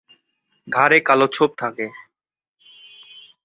ঘাড়ে কালো ছোপ থাকে।